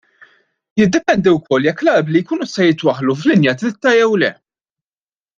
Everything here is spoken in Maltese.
Jiddependi wkoll jekk l-arbli jkunux se jitwaħħlu f'linja dritta jew le.